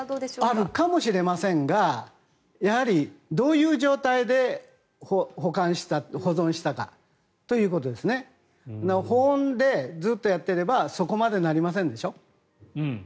あるかもしれませんがやはりどういう状態で保管した、保存したか保温でずっとやっていればそこまでなりませんでしょ。